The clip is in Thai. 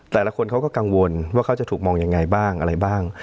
แต่ละคนเขาก็กังวลว่าเขาจะถูกมองยังไงบ้างอะไรบ้าง